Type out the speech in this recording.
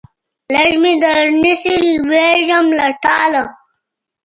لږ مې درنیسئ لوېږم له ټاله